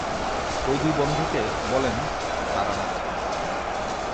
ওই দুই বন্ধুকে বলেন তারানাথ।